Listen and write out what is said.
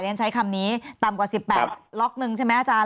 ฉันใช้คำนี้ต่ำกว่า๑๘ล็อกนึงใช่ไหมอาจารย์